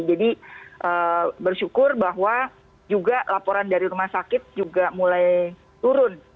jadi bersyukur bahwa juga laporan dari rumah sakit juga mulai turun